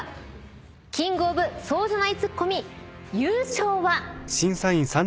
キングオブそうじゃないツッコミ優勝は。